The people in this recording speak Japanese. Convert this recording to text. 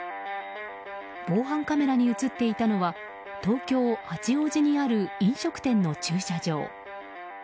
防犯カメラに映っていたのは東京・八王子にある飲食店の駐車場。